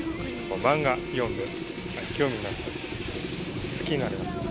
マンガ読んで、興味があって、好きになりました。